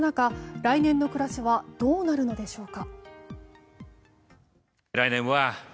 来年の暮らしはどうなるのでしょうか。